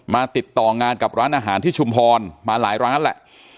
ติดต่องานกับร้านอาหารที่ชุมพรมาหลายร้านแหละ